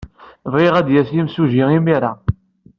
Bɣiɣ ad d-yas yimsujji imir-a.